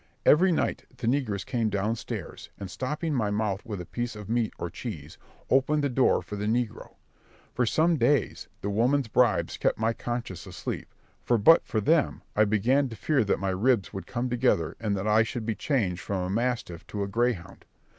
Every night the negress came down stairs, and stopping my mouth with a piece of meat or cheese, opened the door for the negro. For some days, the woman's bribes kept my conscience asleep; for but for them, I began to fear that my ribs would come together, and that I should be changed from a mastiff to a greyhound.